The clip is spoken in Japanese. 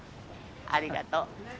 ありがとう。